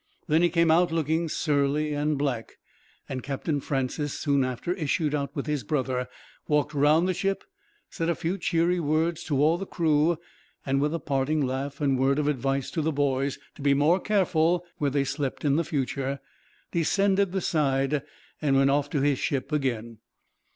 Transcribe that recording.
Then he came out, looking surly and black, and Captain Francis soon after issued out with his brother, walked round the ship, said a few cheery words to all the crew; and, with a parting laugh and word of advice to the boys, to be more careful where they slept in future, descended the side and went off to his ship again.